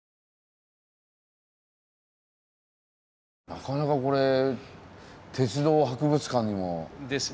なかなかこれ鉄道博物館にもないですねこれは。